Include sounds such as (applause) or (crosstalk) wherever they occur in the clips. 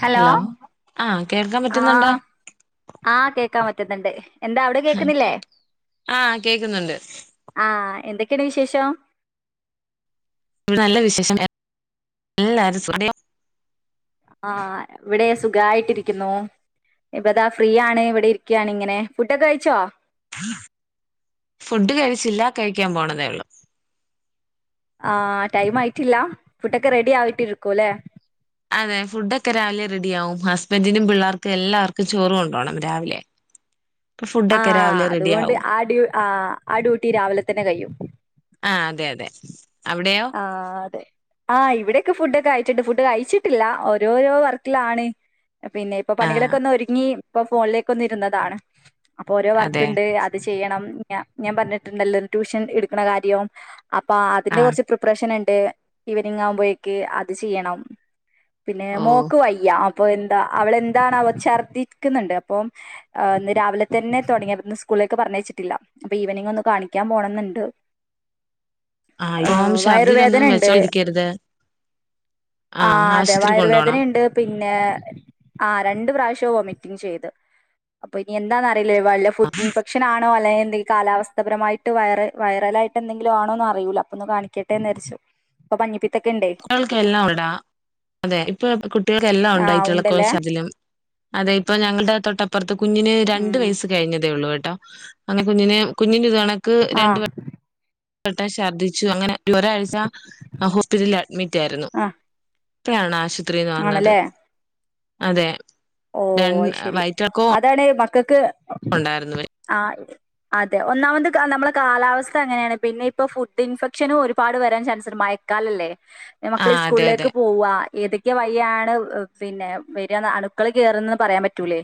Hello ആഹ് കേൾക്കാൻ ആ പറ്റുന്നുണ്ടോ ആ കേക്കാ പറ്റ പറ്റുന്നുണ്ട് എന്താ അവിടെ കേക്കുന്നില്ലേ ആഹ് കേക്കുന്നുണ്ട് ഇവിടെ ആ എന്ത ക്കിണ്ട് വിശേഷം ഇവിടെ നല്ല വിശേഷം എല്ലരും സുഖ ആ ഇവിടെ സുഖമായിട്ടിരിക്കുന്നു ഇപ്പതാ ഫ്രീ ആണ് ഇവിടെ ഇരിക്കുകയാണ് ഇങ്ങനെ ഫുഡൊക്കെ കഴിച്ചോ ഫുഡ് കഴിച്ചില്ല കഴിക്കാൻ പോണെതേ ഉള്ളു ആ ടൈം ആയിട്ടില്ല ഫുഡൊക്കെ റെഡി ആയിട്ടിരിക്കു അല്ലെ അതെ ഫുഡൊക്കെ രാവിലെ റെഡി ആവും ഹസ്ബൻറിനും പിള്ളേർക്കും എല്ലാവർക്കും ചോറും കൊണ്ടോണം രാവിലെ അപ്പൊ ആ ഫുഡൊക്കെ രാവിലെ റെഡി അതുകൊണ്ട് ആവും ആടി ആ ആ ഡ്യൂട്ടി രാവിലെ തന്നെ കഴിയും ആ അതെ അതെ അവിടെയോ ആ അതെ ആഹ് ഇവിടെയൊക്കെ ഫുഡൊക്കെ ആയിട്ടുണ്ട്ഫുഡ് കഴിച്ചിട്ടില്ല ഓരോരോ വർക്കിലാണ് പിന്നെ ഇപ്പൊ ആഹ് പണികളൊക്കെ ഒന്ന് ഒരുങ്ങി ഇപ്പൊ ഫോണിലേക്ക് ഒന്ന് ഇരുന്നതാണ് അപ്പൊ ഓരോ വർക്ക് അതെ ഉണ്ട് അത് ചെയ്യണം ഞാൻഞാൻ പറഞ്ഞിട്ടുണ്ടല്ലോ ട്യൂഷൻ എടുക്കണ കാര്യം അപ്പാ അതില് ആഹ് കുറച്ച് നണ്ട് ഇവനിങ്ങാകുമ്പോഴേക്ക് അത് ചെയ്യണം പിന്നെ ഓ മോക്ക് വയ്യ ആ അപ്പൊ എന്താ അവളെന്താണാവോ ഛർദ്ദിക്കുന്നുണ്ട് അപ്പം ആ ഇന്ന് രാവിലെ തന്നെ തുടങ്ങി ഇന്ന് സ്കൂളിലേക്ക് പറഞ്ഞയച്ചിട്ടില്ല അപ്പൊ ഈവനിങ് ഒന്ന് കാണിക്കാൻ പോണം എന്നുണ്ട് ആയിവംശ് വയറുവേദന ഇണ്ട് ആ ആഹ് അതെ ആശുപത്രി വയറുവേദന കൊണ്ടോണം ഇണ്ട് പിന്നെ ആ രണ്ടും പ്രാവശ്യ ഒമിറ്റിംഗ് ചെയ്ത് അപ്പോ ഇനി എന്താ ലേ വല്ല ഫുഡ് ഇൻഫെക്ഷൻ ആണോ അല്ലെങ്കിൽ ഈ കാലാവസ്ഥപരമായിട്ട് വയറ വൈയറലായിട്ട് എന്തെങ്കിലും ആണോന്ന് അറിയൂല അപ്പൊ കാണിക്ക ക്കട്ടെന്ന് രിച്ചു ഇപ്പൊ മഞ്ഞപി കുട്ടികൾക്ക് എല്ലാം അതാ അതെ ഇപ്പൊ കുട്ടികൾക്കെല്ലാം ആഹ് ഉണ്ടായിറ്റുള്ള ക്കോറേ ഉണ്ടല്ലേ ശർദിലും അതെ ഇപ്പൊ ഞങ്ങളുടെ തൊട്ടപ്പുറത്തും കുഞ്ഞിന് രണ്ടു ഉം വയസ്സ് കഴിഞ്ഞതേ ഉള്ളൂ ട്ടോ അങ്ങനെ കുഞ്ഞിന് കുഞ്ഞിന് നക്ക് രണ്ട് ആഹ് പട്ട ശർദ്ദിച്ചു അങ്ങനെ ഈ ഒരാഴ്ച ഹോസ്പിറ്റലിൽ അഡ്മിറ്റ് ആയിരുന്നു ആഹ് പ്പഴാണ ആശുപ ഇത്രം നടന്നത് ആണല്ലേ അതെ ഓ ര അത് ശരി അതാണ് ഇക്കക്ക് ഉണ്ടായിരുന്നുല്ലേ അതെ ഒന്നാമത് കാ നമ്മളെ കാലാവസ്ഥ അങ്ങനെയാണ് പിന്നെ ഇപ്പൊ ഫുഡ് ഇൻഫെക്ഷനും ഒരുപാട് വരാൻ ചാൻസുണ്ട് മയക്കാല അല്ലേ ആ മക്കളെ അതെ അതെ സ്കൂളിലേക്ക് പോവ ഏതൊ രെ വയ്യാണ് പിന്നെ വര്യാന്നാ മക്കള് കേറുന്നന്ന് പറയാൻ പറ്റൂലേ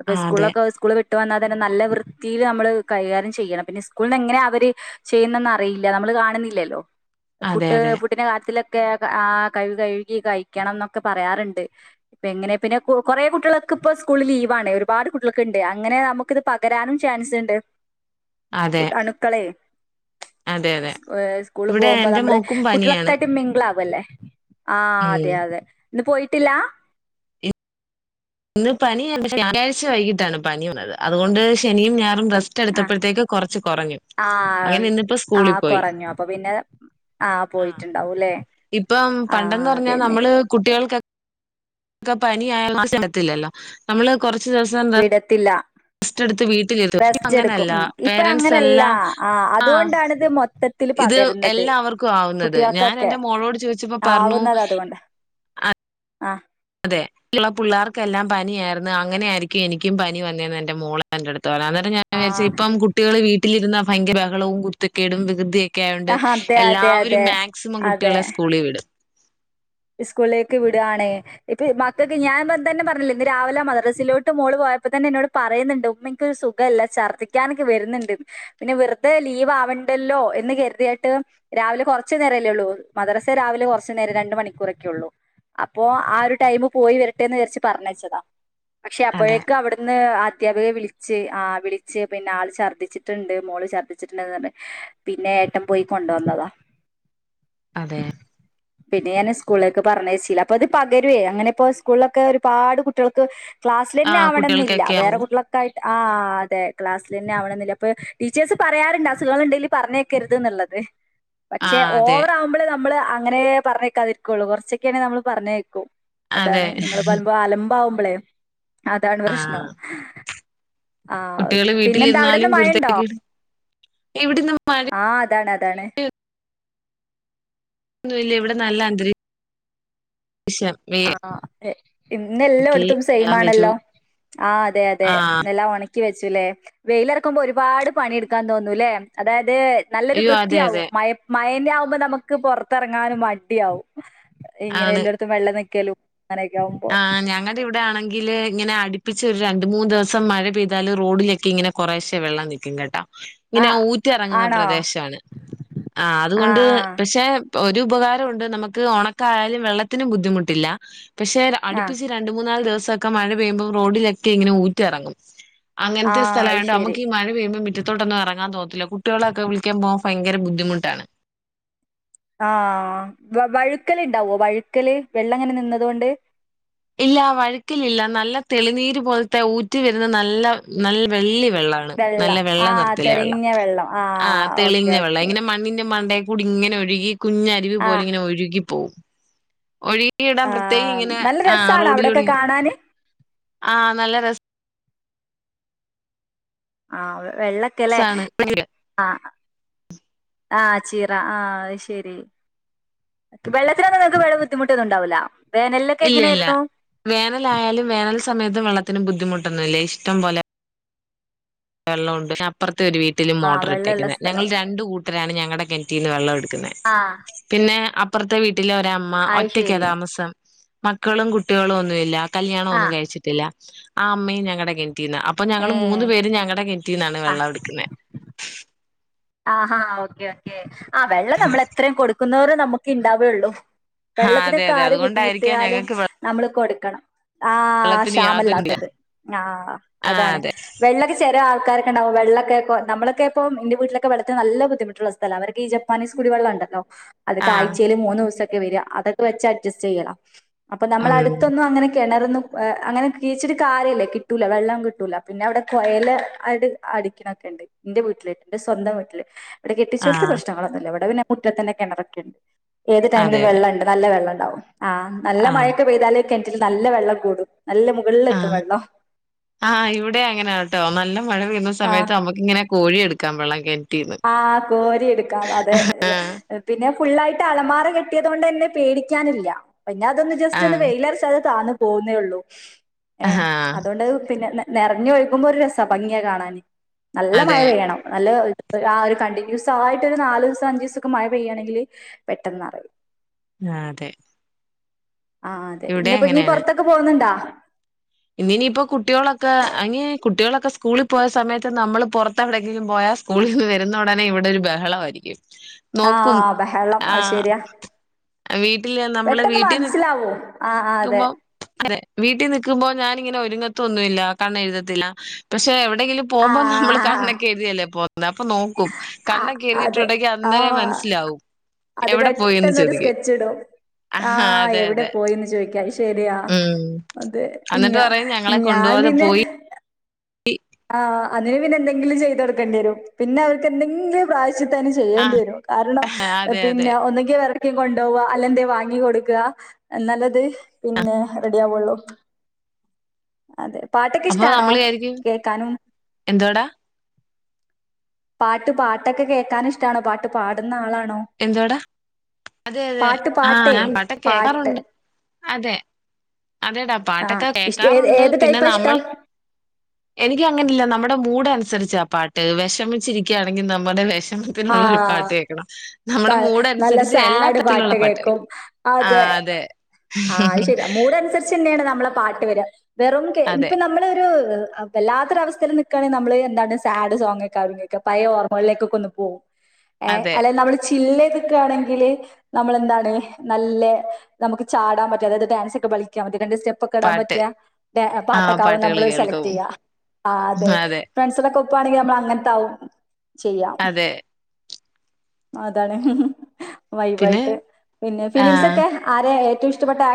അപ്പൊ ആ അതെ സ്കൂളൊക്കെ അവര് സ്കൂ ഇട്ട് വന്നാ തന്നെ നല്ല വൃത്തിയിലാ നമ്മള് കൈകാര്യം ചെയ്യണം പിന്നെ സ്കൂളന് എങ്ങനെ അവര് ചെയ്യുന്നന്ന് അറിയില്ല നമ്മള് കാണുന്നില്ലല്ലോ അതെ ഫുഡ് അതെ പുട്ടിനെ കാത്തി ക്കെ കേ ആ കയ്യ് കഴുകി കഴിക്കണം എന്നൊക്കെ പറയാറുണ്ട് ഇപ്പ എങ്ങനെ പിന്നെ കുറെ കുട്ടികള് ഒക്കെ ഇപ്പോൾ സ്കൂളിൽ ലീവാണ് ഒരുപാട് കുട്ടികൾക്കുണ്ട് അങ്ങനെ നമുക്ക് ഇത് പകരാനും ചാൻസ് ഇണ്ട് അതെ കുട്ട് അണുക്കളെ അതെ അതെ ഏ സ്കൂള് ഇവിടെ പോകുമ്പോ എന്റെ നമ്മള് മോക്കും പനിയാണ് കുട്ടികളൊക്കൊയിട്ട് മിംഗിളാകുംല്ലേ ആ ഉം അതെ അതെ ഇന്ന് പോയിട്ടില്ല ഇന്ന് പനിയ ശനിയാഴ്ച വൈകിട്ടാണ് പനിയുള്ളത് അതുകൊണ്ട് ശനിയും ഞ റസ്റ്റ്‌ ആ എടുത്തപ്പോകും കുറച്ച് കൊറഞ്ഞു ആ അങ്ങന ഇന്ന് ഇപ്പൊ ആ സ്കൂളിൽ പോയി കുറഞ്ഞു അപ്പൊ പിന്നെ ആ പോയിട്ടുണ്ടാവൂല്ലേ ഇപ്പൊ ആ പണ്ടെന്ന് പറഞ്ഞ അതന്നെ നമ്മൾ കുട്ടികൾക്കൊക്കെ പനി ആയ കൊണ്ട് ചെ ത്തില്ലല്ലോ നമ്മള് കൊറ വിടത്തില്ല വീട്ടിലിരുത്തും ഇപ്പ റസ്റ്റ്‌ എടുക്കും അങ്ങനല്ല ഉ ഇപ്പ പേരൻറ്സ് അങ്ങനല്ല എല്ലാം ആ് ആഹ് അതുകൊണ്ടണിത് മൊത്തത്തി ഇത് എല്ലാവർക്കും ആവുന്നത് ഞാൻ എന്റെ മോളോട് ചോദിച്ചപ്പോ പറഞ്ഞു ആ അതെ ഇള പിള്ളേർക്കെല്ലാം പനിയായിരുന്നു അങ്ങനെ ആയിരിക്കും എനിക്കും പനി വന്നേന്ന് എന്റെ മോളെ എന്റെ അടു തോ അന്നേരം ഞാ വിചാരിച്ച ആഹ് ഇപ്പം കുട്ടികള് വീ വീട്ടിലിരുന്ന ഭയങ്കരഹളവും കുര്ത്തക്കേടും വികൃതിയ ക്കായൊണ്ട് ആഹ് അതെ അതെ എല്ലാവരും അതെ മാക്സിമം അതെ കുട്ടികളെ സ്കൂളിൽ വിടും സ്കൂളിലേക്ക് വിടുകയാണേ ഇപ്പ മക്കൾക്ക് ഞാൻ തന്നെ പറഞ്ഞില്ലേ ഇന്ന് രാവിലെ മദ്രസിലോട്ട് മോള് പോയപ്പോ തന്നെ എന്നോട് പറയുന്നുണ്ട് ഉമ്മ എനിക്കൊരു സുഖമല്ല ഛർദിക്കാനൊക്കെ വരുന്നുണ്ട് പിന്നെ വെറുതെ ലീവ് ആവണ്ടല്ലോ എന്ന് കരുതിയായിട്ട് രാവിലെ കുറച്ച നേരമല്ലേള്ളൂ മദ്രസെ രാവിലെ കുറച്ചു നേരം രണ്ട മണി കുറക്കള്ളൂ അപ്പോ ആ ഒരു ടൈമ് പോയി വരട്ടെന്ന് വിചാരിച്ച് പറഞ്ഞയച്ചതാ പക്ഷെ അതെ അപ്പോഴേക്കും അവിടുന്ന് അധ്യാപകെ വിളിച്ച് ആ് വിളിച്ച് പിന്നെ ആള് ഛർദ്ദിച്ചിട്ടുണ്ട് മോള് ഛർദ്ദിച്ചിട്ടുണ്ട്ന്ന് പറ പിന്നെ ഏട്ടം പോയി കൊണ്ട വന്നതാ അതെ പിന്നെ ഞാന് സ് കൂളിലൊക്കെ പറഞ്ഞച്ചീല അപ്പൊ അത് പകരുവേ അങ്ങനെ ഇപ്പോ സ്കൂളിലൊക്കെ ഒരുപാട് കുട്ടികൾക്ക് ക്ലാസ്സിൽന്നെ ആഹ് ആവണം ന്നില്ല കുട്ടികൾക്കൊക്കെ വേറെ ആവും കുട്ടികളക്ക ആട്ട് ആ അതെ ക്ലാസ്സൽ തന്നെ ആവണെന്നില്ല അപ്പൊ ടീച്ചേഴ്സ് പറയാറുണ്ട് അസുഖങ്ങളുണ്ടലും പറഞ്ഞേക്കരുത് എന്നുള്ളത് പക്ഷെ ആഹ് അതെ ഓവറ ആവുമ്പോഴേ ന നമ്മള് അങ്ങനെ പറഞ്ഞേക്കാതിരി ക്ക കുറച്ചൊക്കെയ ആണ് നമ്മ പറഞ്ഞേക്കും അതെ അതാണ് നിങ്ങള് പറലമ്പോ അലമ്പാവു ളെ അതാണ് പ്രശ്നം ആഹ് ആഹ കുട്ടികള് പിന്നെന്താ അവിടെന്ന് വീട്ടിലിരുന്നാലും മഴുണ്ടോ കുരുത്തക്കേട് ഇവിടിന്ന് ആഹ അതാണ് താണ് ന്നുംല്ല ഇവിടെ നല്ല അന്തരീ വിഷയം വയ്യ ഇന്ന എല്ല എടത്തും വെച്ചു സെയിംമാണല്ലോ ആ അതെ അതെ ആഹ് നല്ലാം ഒണ വെച്ചുല്ലേ വെയിൽ ഇറക്കുമ്പോ ഒരുപാട് പണിയെ ടുക്കാൻ തോന്നൂല്ലേ അതായത് അത് നല്ലൊരു അയ്യോ അതെ വൃത്തിയാവും അതെ മഴയത്ത് പിന്നെ ആകുമ്പോ നമുക്ക് പൊറത്തയിറങ്ങാനും മടിയാവും ഇങ്ങനെ എല്ലായിടത്തും വെള്ളം നിക്കുമ്പോ കേലോ ആ് ഞങ്ങടെ ഇവിടെ ആണെങ്കിൽ ആണെങ്കിൽ ഇങ്ങനെ അടിപ്പിച്ച ഒരു രണ്ട് മൂന്ന് ദിവസം മഴ പെയ്താല് റോഡിലൊക്കെ ഇങ്ങനെ കുറേശ്ശെ വെള്ളം നിൽക്കും കേട്ടോ ഇങ്ങനെ ആഹ് ഊറ്റിറങ്ങുന്ന ആണോ പ്രദേശമാണ് ആ ആഹ് അതുകൊണ്ട് ആഹ് പക്ഷെ ഒരു ഉപകാരമുണ്ട് നമുക്ക് ഉണക്കായാലും വെള്ളത്തിനും ബുദ്ധിമുട്ടില്ല പക്ഷെ ആഹ് അടുപ്പിച്ച് രണ്ടു മൂന്നാല് ദിവസം ദിവസയൊക്കെ മഴ പെയ്യുമ്പോ റോഡിലൊക്കെ ഇങ്ങനെ ഊറ്റ് ഇറങ്ങും അങ്ങനത്തെ ആഹ് സ്ഥലംയായൊണ്ട് അയ്ശരി നമ്മുക്ക് ഈ മഴ പെയുമ്പോ മുറ്റത്തോട്ടോന്നും ഇറങ്ങാൻ തോന്നത്തില്ല കുട്ടികളൊക്കെ വിളിക്കാൻ പോവുമ്പോ ഭയങ്കര ബുദ്ധിമുട്ടാണ് ആഹ വ വഴുക്കല് ഉണ്ടാവോ വഴുക്കല് വെള്ളം ഇങ്ങനെ നിന്നതുകൊണ്ട് ഇല്ല വഴുക്കില്ലില്ല നല്ല തെളിനീര് പോലത്തെ ഊറ്റി വരുന്ന നല്ല നല്ല വെള്ളി വെള്ളമാണ് നല്ല വെള്ളം ആഹ് നിർത്തിലുള്ള വെള്ളം തെളിഞ്ഞ ആ ആഹ് ഓക്കെ തെളിഞ്ഞ വെള്ളം ഓക്കെ. ഇങ്ങനെ മണ്ണിന്റെ മണ്ടയികൂടെ അതിലുടെ ഇങ്ങനെ ഒഴുകി കുഞ്ഞയാരിവിപോലെ ആഹ് ഇങ്ങനെ ഒഴുകി പോവും ഒഴികി ഇടാൻ പ്രത്യേക ആഹ് ഇങ്ങനെ നല്ല ആ രസാണോ അവിടൊക്കെ റോഡിലൂടെ കാണാന്? ആ നല്ല രസം ആ അതെ വെള്ളക്കല്ലേ രസാണ് ഇല്ല ആഹ ആഹ ചിറ ആഹ ശരി വെള്ളത്തിനൊന്ന നിങ്ങക്ക് വേറെ ബുദ്ധിമുട്ടൊന്നും ഉണ്ടാവൂല വേനലിലൊക്കെ ഇല്ല ഇല്ല എങ്ങനെയായിരുന്നു? വേനൽ ആയാലും വേനൽ സമയത്ത് വെള്ളത്തിന് ബുദ്ധിമുട്ടൊന്നില്ല ഇഷ്ട്മം പോലെ വെള്ളം ഉണ്ട് പിന്നെ അപ്പുറത്തെ ഒരു വീട്ടിലും ആഹ് മോട്ടർ വെള്ളള്ള ഇട്ടേക്കുന്നത് ഞങ്ങൾ സ്ഥലം. രണ്ട കൂട്ടരും ഞങ്ങള കെണട്ടീന്ന് വെള്ളം എടുക്കാൻ ആഹ് പിന്നെ അപ്പുറത്തെ അപ്പുറത്തെ വീട്ടിലെ വീട്ടിലെ ഓര്മ്മ അയ് ഒറ്റക്കാ ശരി. താമസം മക്കളും കുട്ടികളും ഒന്നുമില്ല കല്യാണം ഒന്നും ആഹ് കഴിച്ചിട്ടില്ല ആ അമ്മയും ഞങ്ങടെ കിണറ്റിന്നാ കിണറ്റിന്ന അപ്പ ഞങ്ങള് മൂന്ന് ഏഹ് പേരും ഞങ്ങടെ കിണറ്റിൽ - കിണറ്റിന്നാണ് വെള്ളം ഇടുക്കുന്നെ ആ ഹ ഓക്കെ ഓക്കെ ആ വെള്ള നമ്മ എത്രയും കൊടു നക്കുന്നവരെ നമുക്ക് ഉണ്ടാവുയുള്ളൂ ആഹ് അതെ വെള്ളത്തിനൊക്കെ അതെ ആര് അതുകൊണ്ടായിരിക്കാം ബുദ്ധിമുട്ടിയാലും ഞങ്ങക്ക് നമ്മള് കൊടു ക്കണം ആ വെള്ളത്തിന് യാതൊരു ക്ഷമല്ലാത്തത് ആ ആഹ് അതാണ് അതെ വെള്ളൊക്കെ ചേരാ (unintelligible) ഉണ്ടാവു വെള്ളക്കെപോ നമ്മൊക്കെപ്പ എന്റെ വീട്ടിലെ വെള്ളത്തിനു നല്ല ബുദ്ധിമുട്ടുള്ള സ്ഥല അവർക്ക് ഈ ജപ്പാനീസ് കുടിവെള്ളണ്ടല്ലോ അതൊക്കെ ആഹ് ആഴ്ചയിയില് മൂന്ന് ദിവസ- അതൊക്കെ വെച്ച് അഡ്ജസ്റ്റ് ചെയ്യണം അപ്പൊ നമ്മൾ ഉം അടുത്തൊന്നും അങ്ങനെ കിണ അവിടെയൊന്നും അങ്ങനെെച്ചിട്ട് കാര്യല്ലേ കിട്ടൂല വെള്ളം കിട്ടൂല പിന്നെ അവിടെ കുഴൽ ആ അടിക്കണൊക്കെ ഉണ്ട് എന്റെ വീടിലെ സ്വന്തം വീട്ടിലെ ഇവിടെ കെട്ടിച്ചോടാത്ത ആഹ് പ്രശ്നങ്ങളൊന്നുമില്ല ഇവിടെ പിന്നെ മുറ്റത്തെന്നെ കിണറക്കെയുണ്ട് ഏത് ടൈമിലും അതെ അതെ വെള്ള ണ്ട് നല്ലെ വെള്ളം ഉണ്ട് ണ്ടാവും ആഹ നല്ല ആഹ് മഴൊക്കെ പെയ്താല കെൻറ്റില് നല്ല വെള്ളം കൂടും നല്ല ആ മുകളിലെത്തും വെള്ളം ആ ഇവിടെ അങ്ങനെട്ടോ നല്ല മഴ ത്തുന്ന സമയത്ത് നമ്മുക്ക് ഇങ്ങനെ കോരി എടു ക്കാം വെള്ളം കി ആ കോരി എടുക്കാം അതെ പിന്നെ ഫുള്ളായിട്ട് അലമാറ കെട്ടിയ തൊ ണ്ടന്നെ പേടിക്കാനില്ല പിന്നെ അതൊന്ന് ജസ്റ്റ് ഒന്ന് ആഹ് വെയില അറച്ച അത് താണും പോവുന്നെള്ളു ഏ ആഹാ അതുകൊണ്ട് പിന്നെ (unintelligible) നറഞ്ഞൊഴിക്കുമ്പോ ഒരു രസ പ്പ (unintelligible) കാണാന് നല്ല മഴ അതെ പെയ്യണം നല്ല (unintelligible) ആ ഒരു കണ്ടിന്യൂസ് ആയിട്ട് ഒരു നാ ലീ സം അഞ്ചീസൊക്കെ മഴ പെയ്യണെങ്കില് പെട്ടെന്നറിം ആഹ് അതെ ആഹ് അതെ ഇവിടെ ഇന്നിപ്പ നീ പുറത്തൊക്കെ പോണ് ണ്ടോ ഇന്ന് ഇനിയിപ്പോ കുട്ടികളൊക്കെ അതിന് കുട്ടികളൊക്കെ സ്കൂളിൽ പോയ സമയത്ത് നമ്മള് പുറത്തെ എവിടെയെങ്കിലും പോയാൽ സ്കൂളിൽ നിന്ന് വരുന്ന ഉടനെ ഇവിടെ ഒരു ബഹള വായിരിക്കും ആ ബഹളം അഹ് ശരിയാ വീട്ടില് നമ്മള് പെട്ടെന്ന് വീട്ടിൽ നി മനസിലാവും ക്കുമ്പോ അതെ വീട്ടിൽ നിക്കുമ്പോ ഞാൻ ങ്ങനെ ത്തൊന്നുല്ല കണ്ണ്എഴുതത്തില്ല പക്ഷെ എവി എവിടെങ്കിലും പോകുമ്പോ നമ്മള് ആഹ് കണ്ണ് ഒക്കെ എഴതിയല്ലേ പോ എന്നാ പ്പം നോക്കും ആഹ് കണ്ണൊക്കെ അതെ എഴുതിയിട്ടുണ്ടങ്കി അന്നേരം ആഹ് മനസ്സിലാവും അത് എവിടെ പോയിന്ന് പെട്ടെന്നൊരു ചോദിക്കും സ്കെച്ചിടും. ചോദിക്കാ ശരിയാ ഉം അതെ ഞ എന്നിട്ട് പറയും ഞങ്ങളെ ഞാൻ കൊണ്ടുപോവാതെ പിന്നെ പോയി ആ അതിന് പിന്നെന്തെങ്കിലും ചെയ്ത് കൊടുക്കേണ്ട്യരും പിന്നെ അവർക്ക് എന്തെങ്കിലും പ്രാവ തന്നെ ചെയ്യേണ്ട്യേരും കാരണം ആഹ് അതെ അതെ പിന്നെ ഒന്നിങ്കിവേ കൊണ്ടോവ അല്ലെന്തെവാങ്ങി കൊടുക്ക എന്നാലതെ റെഡി ആവുള്ളൂ അതെ പാട്ടൊക്കെ അപ്പൊ ഇഷ്ടാണോ നമ്മള് വിചാരിക്കും കേൾക്കാനും എന്തോടാ പാട്ട് പാട്ടൊക്കെ കേക്കാന്ഇഷ്ട്ടാണ്. പാട്ട് പാടുന്ന ആളാ എന്തുവട അതെ അതെ പാട്ട് ആ പാട്ടേ പാട്ടെക്കെ പാട്ട്. ആഹ് ഇഷ് ഏത് കേക്കാറുണ്ട്. ഏത് ടൈപ്പാ ഇഷ്ടം? എനക്ക് അങ്ങനല്ല നമ്മുടെ മൂഡ് അനുസരിച്ച് ച്ചാ പാട്ട് വിഷമിച്ചിരിക്കുകയാണെങ്കിൽ നമ്മുടെ വി ക്ഷമത്തിനുള്ള ഒരു ആഹ് പാട്ട് കേൾക്കണം. ത നല്ല സാഡ് പാട്ട് പാട്ടുകൾ. കേൾക്കും. അതെ യാണ് നമ്മളെ പാട്ട് വരിക. വെറും കെ അതെ, ഇപ്പൊ നമ്മളൊരു വല്ലാത്തൊരസ്ഥയി നൽക്കുകണെങ്കിൽ നമ്മൾ എന്താണ് സാഡ് സോങ് ഒക്കെ പയ ഓർമ്മകിലേക്കൊക്കെ പോവും ഏ അതെ. അല്ലെ നമ്മള് ചില്ലേ നിൽക്കുവാണങ്കില് നമ്മളെന്താണ് നല്ല നമുക്ക് ചാടാൻ പറ്റും അതായത് ഡാൻസ് ഒക്കെ കളിക്കാൻ പറ്റ രണ്ട് സ്റ്റെപ്പ് ഒക്കെ ഇടാൻ പാട്ട്. പറ്റിയ പാട്ടൊക്കെ ആ പാട്ടുകള് നമ്മള് സെലക്ട് കേൾക്കും. ചെയ്യുക. അതെ, ഫ്രണ്ട്സിലൊക്കെ അവാണെങ്കിൽ നമ്മൾ അങ്ങനത്തെ ആവും. ചെയ്യാം അതെ. അതാണ് പിന്നെ വൈബായിട്ട്. പിന്നെ ആ ഫിലിംസ് ഒക്കെ ആരെ ഇഷ്ടപ്പെട്ട ആ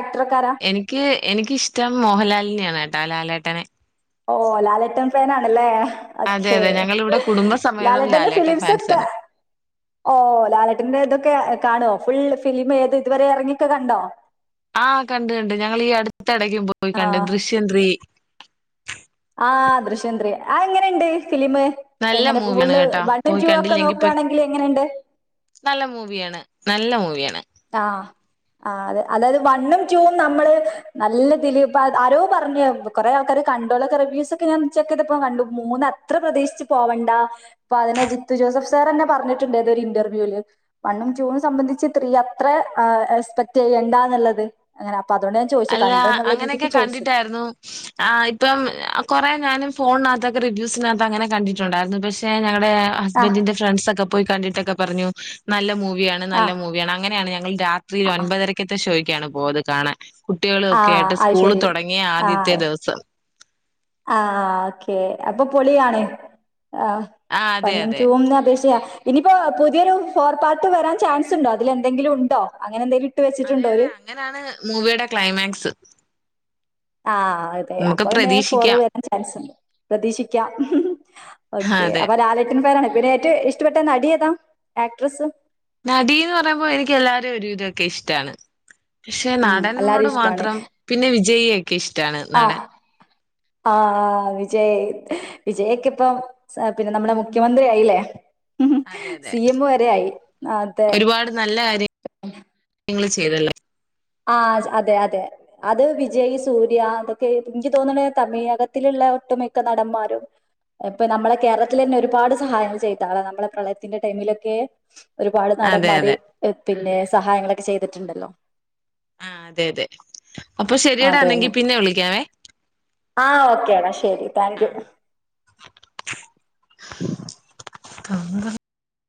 എനിക്ക് എനിക്കിഷ്ടം മോഹൻലാലിനെയാണ് കേട്ടോ ലാലേട്ട ട്ടനെ ഓ ലാലേട്ട ഫാനാണല്ലേ അതെ, ഒക്കേ അതെ. ഞങ്ങളിവിടെ കുടുംബസമേതം ലാലട്ടന്റെ ലാലേട്ടൻ ഫിലിംസൊക്കെ ഫാൻസാണ്. ഓ ലാലേട്ടന്റെ ഇതൊക്കെ കാണോ ഫുൾ ഫിലിം ഏത് ഇതുവരെ ഇറങ്ങിക്ക കണ്ടോ ആഹ് കണ്ട് കണ്ട് ഞങ്ങളീ ഈ അടു അടിത്തിടയ്ക് പോയി ആ കണ്ട് ദൃശ്യം ത്രീ ആഹ് ദൃശ്യം ത്രീ ആ എങ്ങനെയുണ്ട് ഫിലിം നല്ല എങ്ങനെ മൂവിയാണ് ഫുള്ള് കേട്ടാ വണ്ണും പോയി ടൂ ഒക്കെ കണ്ടില്ലെങ്കി പോയി നോക്കുകയാണെങ്കിൽ എങ്ങനെയുണ്ട് നല്ല മൂവിയാണ് നല്ല മൂവി ആഹ് അത് അതായത് വണ്ണും ടൂും നമ്മള് നല്ല ഫിലിം പ്പ ആരോ പറഞ്ഞു കൊറെേ ആൾക്കാര് കണ്ടോല്ലൊക്കെ റിവ്യൂസ് ഒക്കെ ഞാൻ ചെക്ക് ചെയ്തപ്പോ കണ്ടു മൂന്ന് അത്ര പ്രതീശിച്ചച്ച് പോവണ്ട ഇപ്പൊ അതിനെ ജിത്തു ജോസഫ് സാർന്നെ പറഞ്ഞിട്ടുണ്ട് ഏതൊ ഒരു ഇന്റർവ്യൂൽ വണ്ണും ടൂവും സംബന്ധിച്ച് ത്രീയ അത്ര എസ്പെക്ട് ചെയ്യണ്ടാന്നുള്ളത് അങ്ങനെ അപ്പൊ അതുകൊണ്ട് ഞാൻ ചോദിച്ചു അല്ല കണ്ട് എന്നുള്ള അങ്ങനെയൊക്കെ രീതിക്ക് ചോദിച്ചതാ കണ്ടിട്ടായിരുന്നു ആ ഇപ്പം കൊറേ ഞാനും ഫോണിനാതൊക്കെ റിവ്യൂസിനാത്ത് അങ്ങനെ കണ്ടിട്ടുണ്ടായിരുന്നു പക്ഷെ ഞങ്ങൾ ആഹ് ഹസ്ബന്റിന്റെ ഫ്രണ്ട്സ് ഒക്കെ പോയി കണ്ടിട്ടൊക്കെ പറഞ്ഞു നല്ല മൂ വിയാണ് നല്ല ആഹ് മൂവിയാണ് അങ്ങനെയാണ് ഞങ്ങൾ രാത്രി ആഹ് ഒമ്പപതരക്കത്തെ ഷോയ്ക്ക് ഒക്കെയാണ് പോയത് കാണാൻ കുട്ടികളൊക്കെ ആഹ് ആയിട്ട് അത് സ്കൂള് ശരി തുടങ്ങിയ ആദ്യത്തെ ആഹ് ദിവസം ആഹ് ഓക്കെ അപ്പൊ പൊളിയാണ് ആ ആ അതെ വണ്ണും അതെ ടൂവിന് അപേക്ഷയ ഇനിയിപ്പോ പുതിയൊരു ഫോർ പാർട്ട് വരാൻ ചാൻസ് ഉണ്ടോ അതിലെന്തെങ്കിലും ഉണ്ടോ അങ്ങനെ എന്തെങ്കിലും ഇട്ട് അതെ വെച്ചിട്ടുണ്ടോ അതെ ഓര് അങ്ങനാണ് മൂവിയുടെ ക്ലൈമാക്സ് ആഹ് അതെ നമുക്ക് അപ്പൊ എന്നന്നെ ഫോർ പ്രതീക്ഷിക്കാം വരാൻ ചാൻസ്ുണ്ട് പ്രതീക്ഷിക്കാം ഓക്കെ അതെ അപ്പൊ ലാലട്ടൻ ഫാനാണ് പിന്നെ ഏറ്റവും ഇഷ്ടപ്പെെട്ട നടിയേതാ ആക്ട്രസ്സ് നടീന്ന് പറയുമ്പോ എനിക്ക് എല്ലാരും ഒരുവിധമൊക്കെ ഇഷ്ടമാണ് പക്ഷെ ഉം എല്ലാരും നടനോട് ഇഷ്ടാണ് മാത്രം പിന്നെ വിജയിയൊക്കെ ഇഷ്ടാണ് നടൻ ആഹ് ആഹ് വിജയ് വിജയ്ക്ക് ഇപ്പം പിന്നെ നമ്മുടെ മുഖ്യമന്ത്രിയായില്ലേ അതെ അതെ അതെ ഒരുപാട് നല്ല കാര്യങ്ങൾ ചെയതല്ലേ ആ അതെ അതെ അത് വിജയ് സൂര്യ അതൊക്കെ എനിക്ക് തോന്നണ തമിഴകത്തിലുള്ള ഒട്ടുമിക്ക നടന്മാരും ഇപ്പൊ നമ്മളെ കേരളത്തിൽ തന്നെ ഒരുപാട് സഹായങ്ങൾ ചെയ്താളാണ് നമ്മളെ പ്രളയത്തിന്റെ ടൈമിലൊക്കെ ഒരുപാട് അതെ നടന്മാര് അതെ പിന്നെ സഹായങ്ങളൊക്കെ ചെയ്തിട്ടുണ്ടല്ലോ ആഹ് അതെ അതെ അപ്പൊ ശരിയടാ അതെന്നെ എന്നെങ്കി പിന്നെ വിളിക്കാവേ ആ ഓക്കേടാ ശരി താങ്ക് യു (unintelligible)